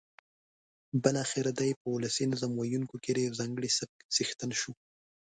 بالاخره دی په ولسي نظم ویونکیو کې د یوه ځانګړي سبک څښتن شو.